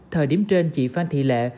thời điểm trên chị phan thị lệ